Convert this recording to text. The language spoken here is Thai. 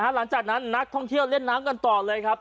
หลังจากนั้นนักท่องเที่ยวเล่นน้ำกันต่อเลยครับ